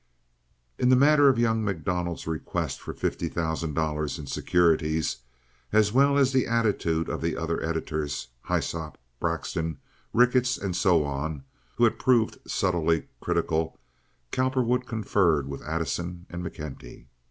In the matter of young MacDonald's request for fifty thousand dollars in securities, as well as the attitude of the other editors—Hyssop, Braxton, Ricketts, and so on—who had proved subtly critical, Cowperwood conferred with Addison and McKenty.